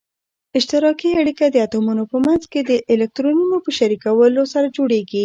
اشتراکي اړیکه د اتومونو په منځ کې د الکترونونو په شریکولو سره جوړیږي.